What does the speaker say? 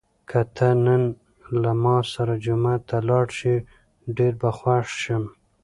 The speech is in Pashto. که ته نن له ما سره جومات ته لاړ شې، ډېر به خوښ شم.